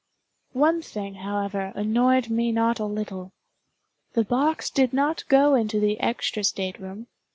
One thing, however, annoyed me not a little. The box did not go into the extra state room.